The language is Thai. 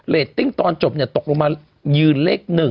ตติ้งตอนจบตกลงมายืนเลข๑